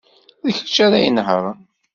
D kečč ara inehṛen.